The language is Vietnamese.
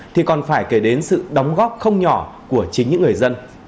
thì còn phải kể đến sự đóng góp không nhỏ của chính những người dân